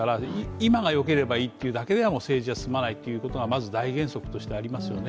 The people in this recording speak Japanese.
今がよければいいというだけでは政治は進まないというのがまず大原則としてありますよね。